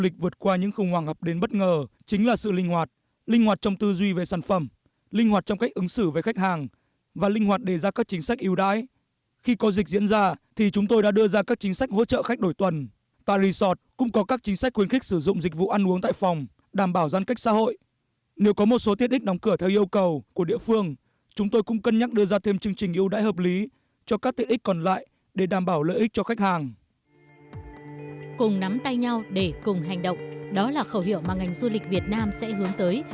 cùng nắm tay nhau để cùng hành động đó là khẩu hiệu mà ngành du lịch việt nam sẽ hướng tới